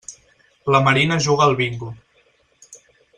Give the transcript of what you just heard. La Marina juga al bingo.